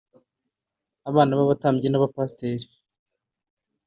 abana b’abatambyi n’abapasiteri…